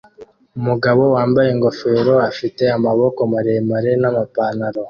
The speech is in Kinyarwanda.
Umugabo wambaye ingofero afite amaboko maremare n'amapantaro